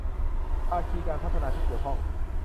ภาคีการพัฒนาที่เกี่ยวข้อง